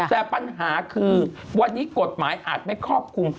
แต่ปัญหาคือวันนี้กฎหมายอาจไม่ครอบคลุม